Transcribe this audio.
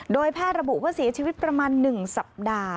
โดยแพทย์ระบุว่าเสียชีวิตประมาณ๑สัปดาห์